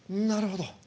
なるほど。